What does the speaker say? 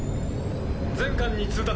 全艦に通達。